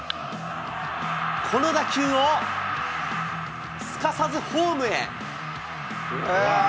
この打球を、すかさずホームへ。